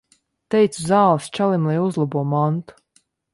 Teicu zāles čalim, lai uzlabo mantu.